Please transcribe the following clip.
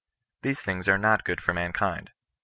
These things are not good for mankind.